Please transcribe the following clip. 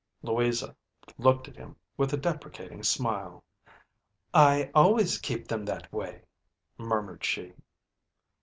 Louisa looked at him with a deprecating smile. " I always keep them that way," murmured she.